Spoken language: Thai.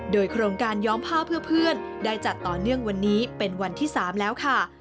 โดยโครงการย้อมผ้าเพื่อเพื่อนได้จัดต่อเนื่องวันนี้เป็นวันที่๓แล้วค่ะ